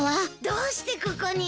どうしてここに？